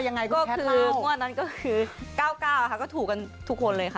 ยังไงคุณแท็ตเท่าก็คือ๙๙ค่ะก็ถูกกันทุกคนเลยค่ะ